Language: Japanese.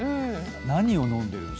何を飲んでるんすか？